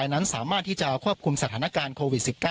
นั้นสามารถที่จะควบคุมสถานการณ์โควิด๑๙